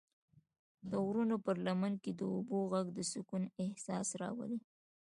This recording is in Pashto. د غرونو پر لمن کې د اوبو غږ د سکون احساس راولي.